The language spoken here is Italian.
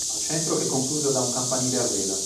Al centro è conclusa da un campanile a vela.